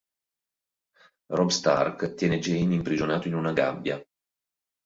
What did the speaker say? Robb Stark tiene Jaime imprigionato in una gabbia.